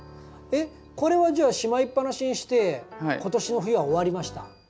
えっこれはじゃあしまいっぱなしにして今年の冬は終わりました。